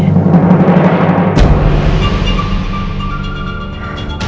apa pun caranya